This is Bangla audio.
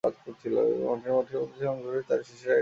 প্রতিটি মঠের প্রধান হয়েছিলেন শঙ্করের চার প্রধান শিষ্যের এক একজন।